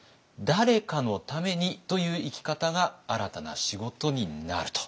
誰かのためにという生き方が新たな仕事になると。